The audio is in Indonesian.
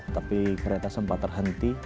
tapi kereta sempat terhenti